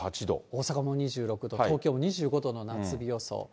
大阪も２６度、東京２５度の夏日予想。